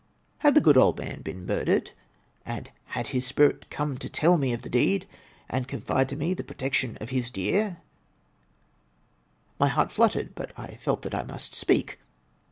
Had the good old man been murdered, and had his spirit come to tell me of the deed, and to confide to me the protection of his dear —? My heart fluttered, but I felt that I must speak.